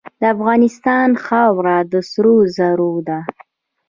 د افغانستان خاوره د سرو زرو ده.